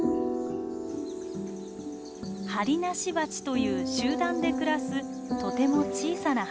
ハリナシバチという集団で暮らすとても小さなハチです。